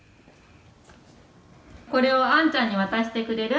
「これをアンちゃんに渡してくれる？」